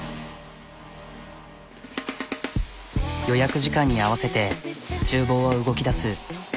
予約時間に合わせてちゅう房は動きだす。